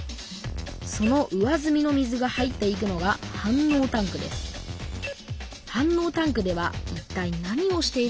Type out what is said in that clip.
その上ずみの水が入っていくのが反応タンクです。